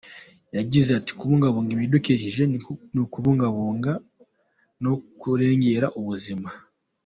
Yagize ati,"Kubungabunga ibidukikije ni ukubungabunga no kurengera ubuzima.